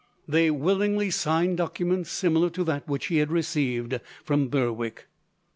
They willingly signed documents, similar to that which he had received from Berwick.